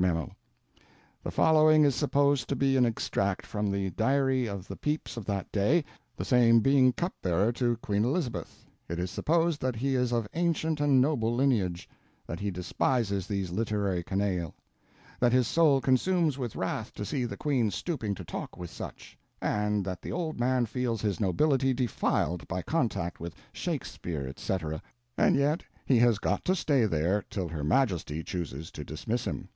(Mem. The following is supposed to be an extract from the diary of the Pepys of that day, the same being cup bearer to Queen Elizabeth. It is supposed that he is of ancient and noble lineage; that he despises these literary canaille; that his soul consumes with wrath to see the Queen stooping to talk with such; and that the old man feels his nobility defiled by contact with Shakespeare, etc., and yet he has got to stay there till Her Majesty chooses to dismiss him.)